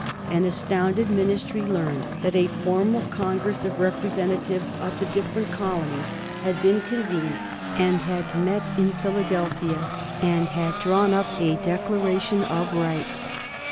An astounded Ministry learned that a formal Congress of Representatives of the different colonies had been convened and had met in Philadelphia, and had drawn up a Declaration of Rights.